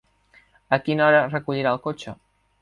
A quina hora recollirà el cotxe?